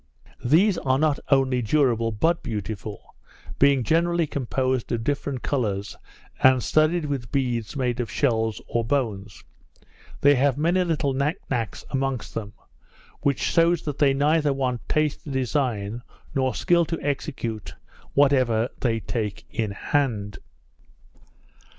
These are not only durable but beautiful; being generally composed of different colours, and studded with beads made of shells or bones. They have many little nick nacks amongst them; which shews that they neither want taste to design, nor skill to execute, whatever they take in hand.